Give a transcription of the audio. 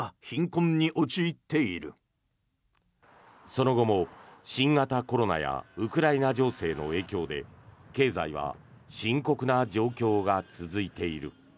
その後も新型コロナやウクライナ情勢の影響で経済は深刻な状況が続いている。